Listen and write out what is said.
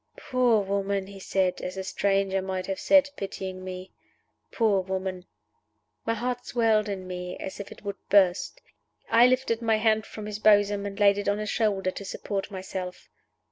"Poor woman!" he said, as a stranger might have said, pitying me. "Poor woman!" My heart swelled in me as if it would burst. I lifted my hand from his bosom, and laid it on his shoulder to support myself.